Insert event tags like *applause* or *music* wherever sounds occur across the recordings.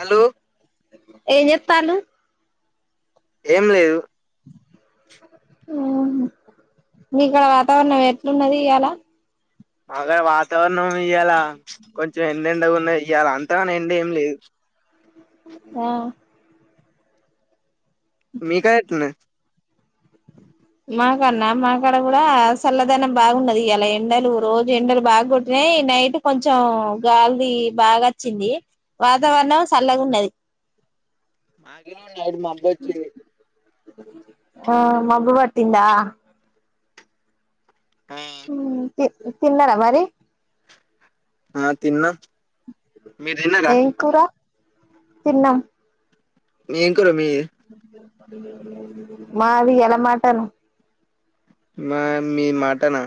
Hello ఏం చేస్తాళ్లు ఏం లేదు ఆ మీకాడ వాతావరణం ఎట్లున్నది ఇయ్యాల అగాడ వాతావరణం ఇయ్యాల కొంచెం ఎండెండకున్నా ఇయ్యాల అంతగణం ఎండ ఏం లేదు ఆ మీ కాడేట్లున్నది మాకడ్న మాకాడ కూడా చల్లదనం బాగున్నది ఇయాలా ఎండలు రోజు ఎండలు బాగు కొట్టినాయి నైట్ కొంచెం గాలిది బాగా వచ్చింది వాతావరణం సళ్ళగున్నది మాకేమో నైట్ మబ్బోచ్చింది ఆ మబ్బుపట్టిందా ఆ తి తిన్నర మరి ఆ తిన్న ఏంకూర తిన్నం మేంకూర మీ మావి ఇయాల మటను మా మీ మటనా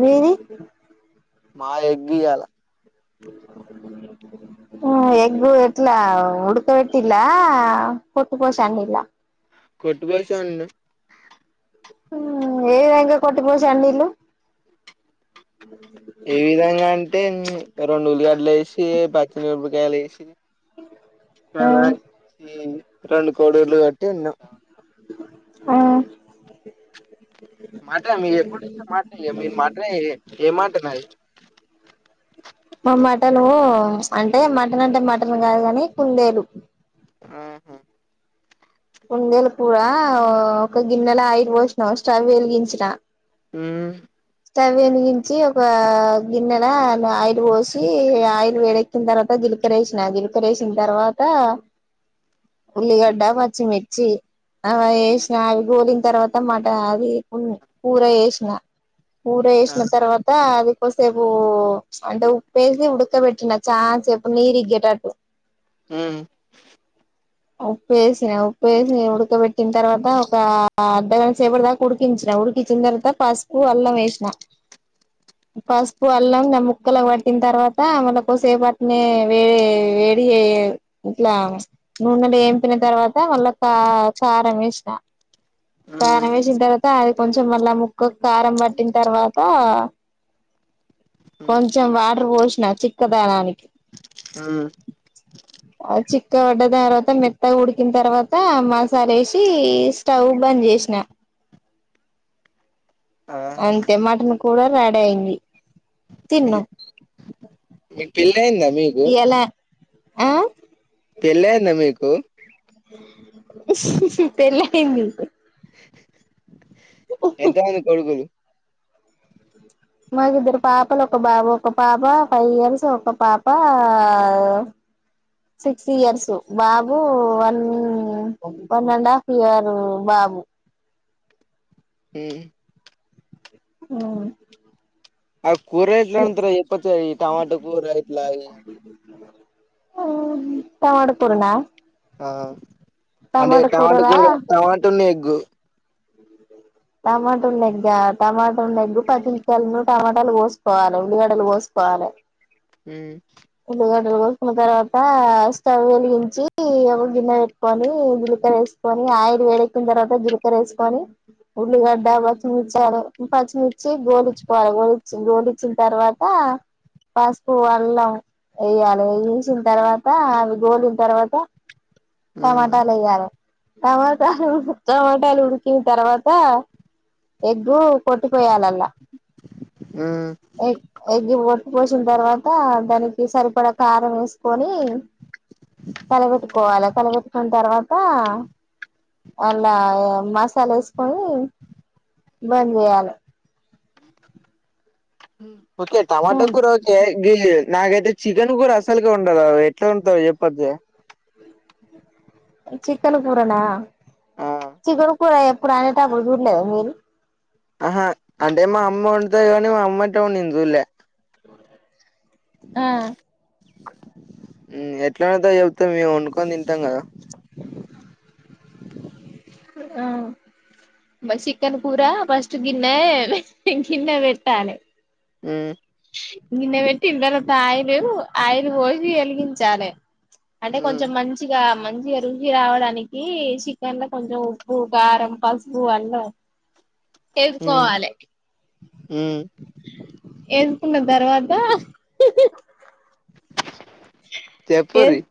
మీది మా ఎగ్ఇయాల ఎగ్ ఎట్లా ఉుడ్కబెట్టిల్లా కొట్టిపోషిండిళ్ళ కొట్టిపోషొండినం ఏవిధంగా కొట్టిపోషి వొండిల్లు బ ఏ విధంగా అంటే రెండు ఉల్లిగడ్లు యేషి పచ్చమిరపకాయలు యేషి అదా రెండు కోడర్ళ్లు కట్టి ఉన్నం ఆ మాట్లాడు మీకు ఎప్పడుంటే మాట మీరు *unintelligible* మాటమ ఏ మాట నాది మా మటనూ అంటే మటన్ అంటే మటన్ కాదు కాని కుందేలు ఆహా కుందేలు కూరా ఒక గిన్నెలా ఆయిల్ పోసిన స్టవ్ వెలిగించిన ఊ స్టవ్ వెలిగించి ఒక గిన్నెల ఆయిల్ పోసి ఆయిల్ వేడక్కి చ్చిన తర్వత జిలకరేసిన జిలకరేసిన తర్వాత ఉల్లిగడ్డ చ్చిమిర్చి అవి వేసిన అవి గోలిన తర్వాతమట అది కూర వేసిన కూర ఆ చేసిన తర్వత్ త అదికోసేపు అంటే ఉప్పేసి ఉడకబెట్టిన చాలా సేపు నీరు ఇగ్గేటట్టు ఉమ్ ఉప్పు వేసిన ఉప్పు వేసి ఉడకబెట్టిన తర్వాత ఒక అర్ధగాంట సేపటి దాక కుడికించిన ఉడికిచ్చిన తర్వాత పసుపు అల్లం వేసిన పసుపు అల్లం ముక్కలకు పట్టిన తర్వాత మళ ఒకసేపటినే వే వేడి ఇట్ల నూనెలెంపిన తర్వాత మళ్ళా క కారం వేసిన కారం వేసిన తర్వాత అది కొంచెం మళ్ళా ముక్కకు కారం పట్టిన తర్వాత కొంచెం వాటర్పోసిన చిక్కదనానికి ఉమ్ ఆ చిక్క పడ్డ తర్వాత మెత్తగుడికిన తర్వాత మాసలేసి స్టవ్ బంద్ చేసిన ఆహా అంతే మటన్ కూడా రెడీ అయింది మీ తిన్నాం మీకు పిల్లయిందా మీకు ఇయ్యాల ఆ పెళ్లయిందా మీకు పెళ్లయింది ఎంత మంది కొడుకులు మాకిద్దరు పాపలు ఒక బాబ ఒక పాప ఫైవ్ ఇయర్స్ ఒక పాప సిక్స్ ఇయర్స్ బాబు one one and half year బాబు ఉమ్ ఆ ఆ కూరేట్ల వండుతరోచేప్పచ్చగ ఈ టమాట కూర యిట్లా ఉమ్ టమడుకురునా ఆ అంటే టమాటా కూరలా కూర తమతున్నెగ్గు తమటున్నెగ్గ తమటున్నెగు పదిమిలు ను టమాటాలు పోసుకోవాలి ఉల్లిగడలు పోసుకోవాలి ఉమ్ ఉల్లిగడ్డలు కోసుకున్న తర్వాత స్టవ్ వెలిగించి ఒక గిన్నె పెట్టుకొని జిలికరేస్ కొని ఆయిల్వేడెక్కిన తర్వాత జురికర వేసుకొని ఉల్లిగడ్డ పచ్చిమిచ్చారు పచ్చిమిచ్చి గోలిచ్చుకోవాలి గోలిచ్చ గోలిచ్చిన తర్వాత తా పాసుపు వళ్లం వేయ్యాలి వేసిన తర్వాత అవి గోలిన తర్వాత ఉమ్. టమాటాలేయాలే టమాటాలు టమాటాలు ఉడికిన తర్వాత ఎగ్గు పొట్టుపోయలంల ఉమ్. ఎగ్ ఎగ్గి ఒట్టు పోసిన తర్వాత దానికి సరిపడా కారం వేసుకొని తలగెట్టుకోవాలె కలగెట్టుకున్న తర్వాత అలా మసాలా వేసుకొని బంద్జెయాలి ఓకే టమాట కూరా ఒకే గి నాకైతే చికెన్ కూర అసలుకే వందరదు ఎట్లా ఉండోచెప్పొద్ చికెన్ కూరన ఆ చికెన్ కూర ఎప్పుడు అనేట అప్పుడు చూడలేదా మీరు ఆహ అంటే మా అమ్మ విందుతది కానీ మా అమ్మ ఎట్ల వొందుతాడో నేన చూడలే ఆ ఉమ్మ్ ఎట్లా వండుతారో చెబుతాం మేము వండుకొని తింటాం గదా ఆ మా చికెన్ కూర పాస్ట్ గిన్నె గిన్నె వెట్టాలే ఉమ్మ్ గిన్నె వేట్టిన్ తర్వాత ఆయిల్ ఆయిలు వోసి వెలిగించాలే అంటే కొంచెం మంచి మంచిగా మంచిగా రుచి రావడానికి చికెన్ లో కొంచెం ఉప్పు కారం పసుపు అల్లం ఎసుకోవాలే ఉమ్మ్ ఏసుకున్న తర్వాత ఆహ్ చెప్పుర్రి ఏస్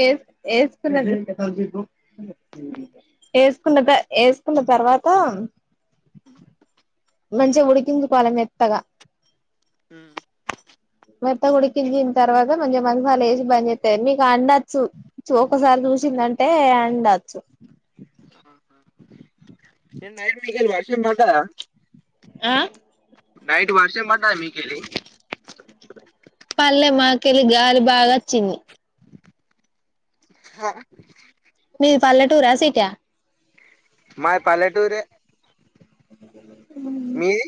ఏస్ ఏస్కున్న త ఏసుకున్న త ఏసుకున్న తర్వాత మంచిగా ఉడికించుకోవాలే మెత్తగా ఉమ్మ్ మెత్తగా ఉడికించిన తర్వాత మంచిగా మహిపాలేసి బజేతే మీకు అండత్ చూ ఒకసారి చూసిందంటే అండచ్ నిన్న నైట్ మీకేళి వర్షం బడ్డదా ఆ నైట్ వర్షం బడ్డదా మీకేళి పల్లె మాకేలీ గాలి బాగాచ్చింది హా మీది పల్లెటూరా సిటీ ఆ మాది పల్లెటూరె అవును మీది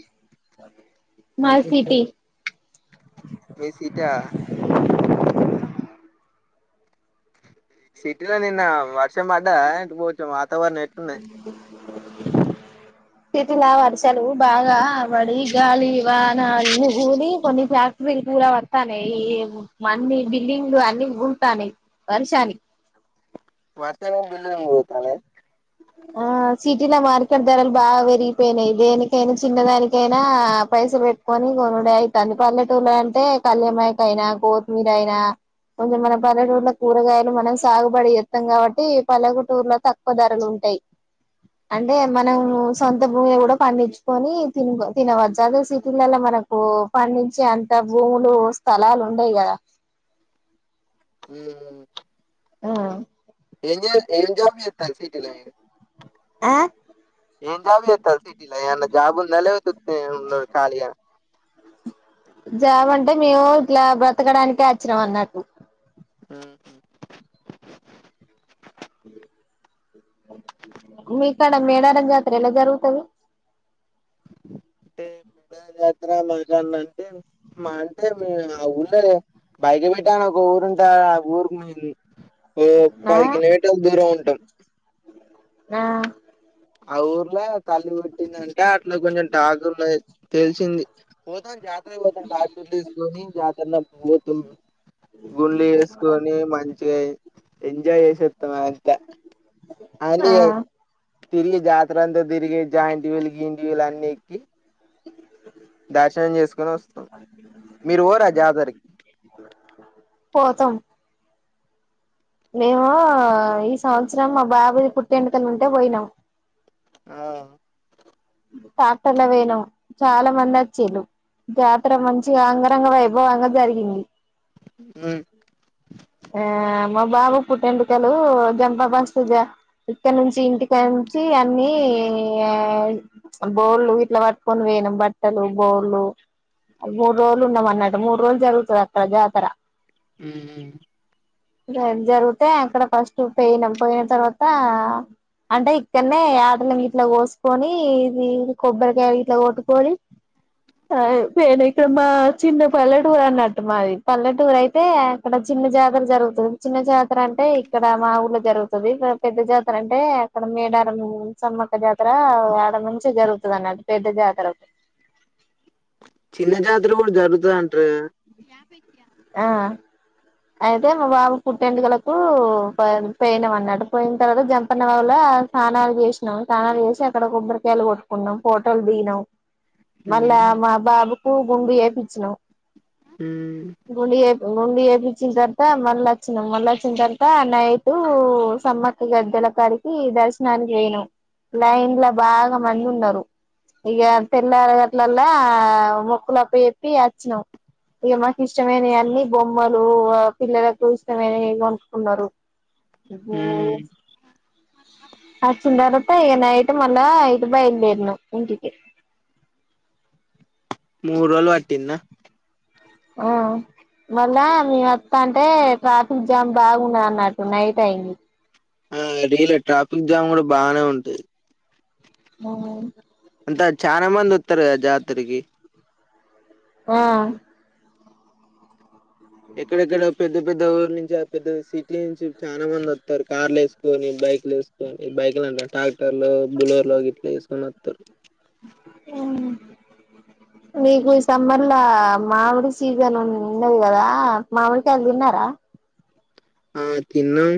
మాది సిటీ మీదీ సిటీ ఆ సిటీల నిన్న వర్షం బాడ్డదా ఎంటి పోచ్చం వాతావరణం ఎటునాది సిటీ లా వర్షాలు బాగా వడి గాలి వాన అన్ని గులీ కొన్ని ఫ్యాక్టరీలు కూళవాడ్ వడతనాయి ఈ మన్ని బిల్డింగ్లు అన్ని ఊతాన్నాయి వర్షానికి వర్తనం బిలూలు ఊగుతానాయి ఆ సిటీల మార్కెట్ ధరలు బాగా వేరిగిపోయినాయి దేనికైనా చిన్న దానికైనా పైసల్ పెట్ కొని కొనుడు అయితంది పల్లెటూర్లో అంటే కల్యామాయక్ అయినా కోతిమీరైయినా కొంచెం మన పల్లెటూరులో కూరగాయలు మనం సాగుబడి జేత్తాం గాబట్టి పల్లగాటూర్ల తక్కువ ధరలు ఉంట ఎయి అంటే మనము సొంత భూమి లో గూడ పండించుకొని తిన్ తినవచ్చు అదే సిటీలల మనక్ ఒ పండించే అంత భూములు స్థలాలు ఉండయి గదా ఉమ్మ్ మ్ ఆ ఏం జే ఏం జాబ్ జేత్తాన్ర్ సిటీల మీరూ ఆ ఏం జాబ్ జేత్తారు సిటీల ఏఅన్నా జాబ్ ఉందా లేపోతే వుతీ గానే ఉన్నారా ఖాళీగా జాబ్ అంటే మేము ఇట్లా బ్రతకడానికే అచ్చన అన్నటు ఉహూ మీక్కడ మేడారం జాతర ఎలా జరుగుతాది అంటే *unintelligible* మా అంటే *unintelligible* ఊళ్ళే బైకి పెట్టా ఒక ఊరుంటా ఊరుకున్ ఏ ఆ పది కిలోమీటర్ల దూరం ఉంటాం ఆ ఆ ఊర్లో తల్లి కొట్టిందంట అట్ల కొంచెం టాక్ ఉన్నది తెలిసింది పోతాం జాతరకి పోతాం టక్టర్లు తీసుకొని జాతర్ల కి పోతున్నా ఉల్లి వేసుకొని మంచిగా ఎంజాయ్ చేసేస్తం ఇంకా అని ఆ తిలి జాతర అంత తిరిగి జాయింట్ విల్లు గియింట్ విల్లు అన్ని ఎక్కి *inaudible* దర్శనం చేసుకొని వస్తాం మీరు పోరా జాతర్ పోతాం మేమా ఈ సంవత్సరం మా బాబు ది పుట్టింటికిలు ఉంటే పోయినాం ఆ టక్టర్ల పోయినం చాలామంది వచ్చిల్లు జాతర మంచిగా అంగరంగ వైభవంగా జరిగింది ఉ ఆ మా బాబు పుట్టింటికులు జంపా *unintelligible* ఇక్కడ నుంచి ఇంటి కాడ నుంచి అన్నీ ఆ ప్చ్ భోల్లు ఇట్ల పట్టుకొని పోయినాం బట్టలు బొల్లు ఆడ మూడు రోజులు ఉన్నాం అన్న మూడు రోజులు జరుగుతది అక్కడ జాతర ఉ జన్ జరిగితే అక్కడ ఫస్ట్ పోయినం పోయిన తర్వాత అంటే ఇక్కడనే యాటల్ని ఇట్ల కోసుకొని ఏయ్ ఇది ఇది కొబ్బరికాయ ఇట్ల కొట్టుకోనీ నేను అయితే మా చిన్న పల్లెటూరు అన్నట్టు మాది పల్లెటూరు అయితే అక్కడ చిన్న జాతర జరుగుతుంది చిన్న జాతర అంటే ఇక్కడ మా ఊళ్లో జరుగుతుంది పెద్ద జాతర అంటే అక్కడ మేడారం ఉ సమ్మక్క జాతర ఓ యాడ నుంచి జరుగుతుంది అన్నట్టు పెద్ద జాతర చిన్న జాతర కూడా జరుగుతాది అంటార్ ఆ అయితే మా బాబు పుట్టి వెంట్రుకలకు పోయి పోయినాం అన్నట్టు పోయిన తర్వాత జంపన్న వాగుల తానాలు చేసినాం తానాలు చేసి అక్కడ కొబ్బరికాయలు కొట్టుకున్నాం ఫోటోలు దిగినం మళ్ళా హ్మ్ మా బాబుకు గుండు చేపించినామ్ ఉ గుండు చేపి గుండు చేపిచ్చిన తర్వాత మళ్ళ వచ్చినామ్ మల్ల వచ్చిన తర్వాత నై టు సమ్మక్క గద్దెల కాడికి దర్శనానికి పోయినామ్ లైన్ లో బాగా మంది ఉన్నారు ఇక తెల్లారి గట్ల ఆళ్ల మొక్కుల అప్ప చెప్పి వచ్చినాం ఇగ మాకి ఇష్టమైనవి అన్ని బొమ్మలు పిల్లలకు ఇష్టమైవి ఇన్ కొనుక్కున్నారు ఇబో హ్మ్ ఆ చిన్ తర్వాత ఇగ నైట్ మళ్ళా ఇటు బయలుదేరినాం ఇంటికి మూడు రోజులు పట్టిందా ఆ మళ్ళా మీ వత్త అంటే ట్రాఫిక్ జామ్ బాగున్న అన్నట్టు నైట్ అయింది ఆ రీలే ట్రాఫిక్ జామ్ కూడా బాగానే ఉంటుది ము అంత చానా మంది వత్తారు కదా జాతరికి ఆ ఎక్కడెక్కడ పెద్ద పెద్ద ఊరు నుంచి ఆ పెద్ద సిటీ నుంచి చాలా మంది వస్తారు కార్లు వేసుకొని బైక్లు వేసు బైక్లుంట ట్రాక్టర్ లో బులర్ లో గ ఇట్లా వేసుకొని వస్తారు అ నీకు ఈ సమ్మర్ లో మామిడి సీజన్ ఉన్నది కదా మామిడి కాయలు తిన్నారా ఆ తిన్నాం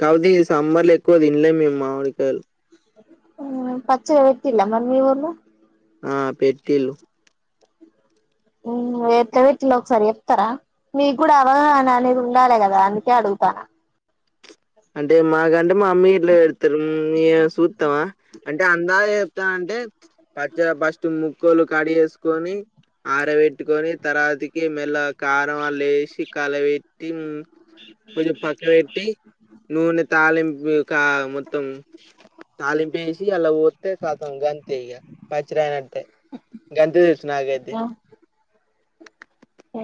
కాపోతే ఇ సమ్మర్ లో ఎక్కువ తినలే మేము మామిడి కాయలు పచ్చ వట్టిలా మరి మి ఊర్లో ఆ పెట్టిల్లు ఎట్ల పెట్టిలో ఒకసారి చెప్తారా మీకు కూడా అవగాహన అనేది ఉండాలి కదా అందుకే అడుగుతాన అంటే మాకంటే మా అమ్మీ ఇట్లా పెడతారు చూస్తావా అంటే అందా ఇస్తా అంటే పచ్చ ఫస్ట్ ముక్కలు కడి వేసుకొని ఆరబెట్టుకొని తర్వాతికి మెల్ల కారం వాళ్ళ వేసి కలవెట్ కొంచెం పక్క పెట్టీ నూనె తాాలింపు కా మొత్తం తాలింపు వేసి అలా ఓత్తే కథం గంతే ఇగ పచ్చడి అయినట్టే గంతే తెల్సు నాకైతే అడుగుతానా ఓ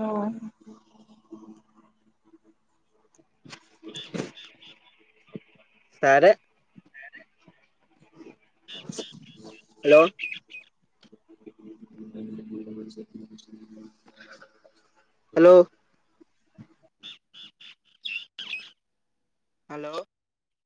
*unintelligible* సరే హలో *unintelligible* హలో హలో